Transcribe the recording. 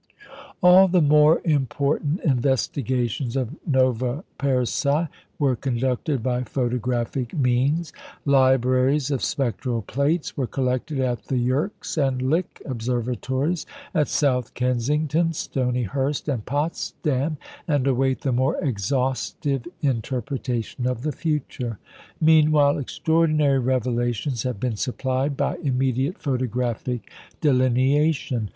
All the more important investigations of Nova Persei were conducted by photographic means. Libraries of spectral plates were collected at the Yerkes and Lick Observatories, at South Kensington, Stonyhurst, and Potsdam, and await the more exhaustive interpretation of the future. Meanwhile, extraordinary revelations have been supplied by immediate photographic delineation.